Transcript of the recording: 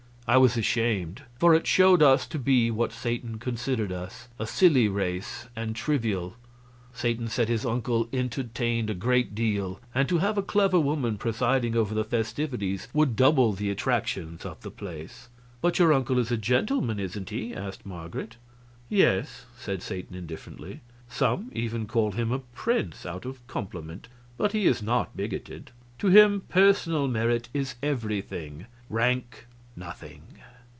I was ashamed, for it showed us to be what Satan considered us, a silly race and trivial. Satan said his uncle entertained a great deal, and to have a clever woman presiding over the festivities would double the attractions of the place. "But your uncle is a gentleman, isn't he?" asked Marget. "Yes," said Satan indifferently; "some even call him a Prince, out of compliment, but he is not bigoted; to him personal merit is everything, rank nothing."